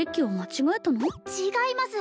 違います